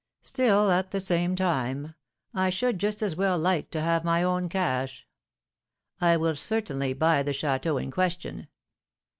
Still, at the same time, I should just as well like to have my own cash. I will certainly buy the château in question.